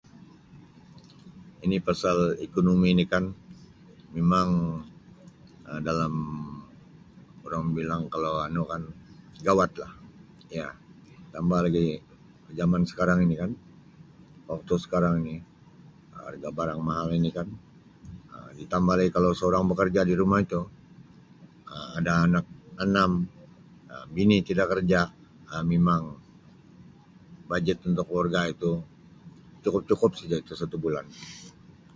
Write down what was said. Ini pasal ekonomi ni kan mimang Um dalam orang bilang kalau anu kan gawat lah ya tambah lagi zaman sekarang ini kan waktu sekarang ini Um harga barang mahal ini kan Um ditambah lagi kalau seorang bekerja di rumah itu Um ada anak enam Um bini tidak kerja Um mimang bajet untuk keluarga itu cukup-cukup saja itu satu bulan.